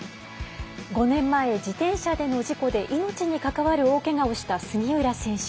５年前自転車での事故で命に関わる大けがをした杉浦選手。